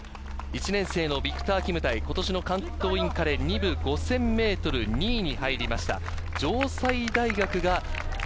１年生のヴィクター・キムタイ、今年の関東インカレ２部、５０００ｍ２位に入りました。